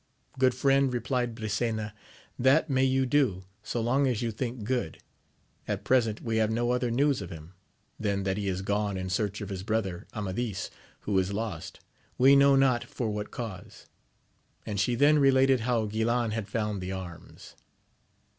Good friend, replied Brisena, that may you do so long as you think good ; at present we have no other news of him, than that he is gone in search of his brother Amadis, who is lost, we know not for what cause ; and she then related how Guilan had found the arms.